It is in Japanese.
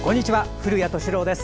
古谷敏郎です。